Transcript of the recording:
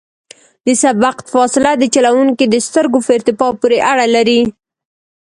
د سبقت فاصله د چلوونکي د سترګو په ارتفاع پورې اړه لري